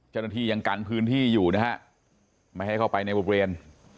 เจ้าหน้าที่ยังกันพื้นที่อยู่นะฮะไม่ให้เข้าไปในบริเวณ